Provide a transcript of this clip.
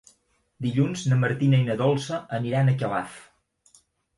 Dilluns na Martina i na Dolça aniran a Calaf.